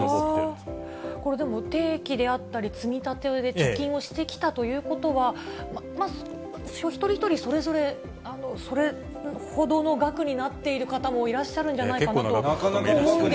でもこれ、定期だとか積み立てで貯金をしてきたということは、一人一人それぞれ、それほどの額になっている方もいらっしゃるんじゃないかと思うんなかなかの。